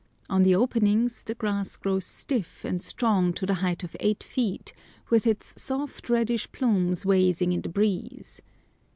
On the openings the grass grows stiff and strong to the height of eight feet, with its soft reddish plumes waving in the breeze.